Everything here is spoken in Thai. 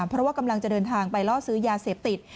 เพราะว่ากำลังจะเดินทางไปล่อซื้อยาเสพติด